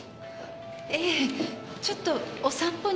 ええちょっとお散歩に。